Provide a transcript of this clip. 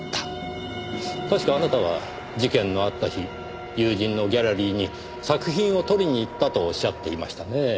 確かあなたは事件のあった日友人のギャラリーに作品を取りに行ったとおっしゃっていましたねぇ。